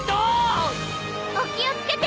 お気を付けて！